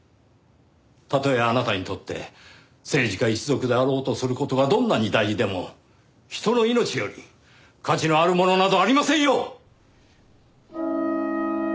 たとえあなたにとって政治家一族であろうとする事がどんなに大事でも人の命より価値のあるものなどありませんよ！